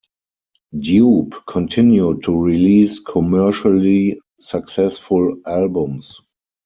Dube continued to release commercially successful albums.